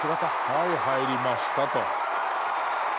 「はい入りましたと」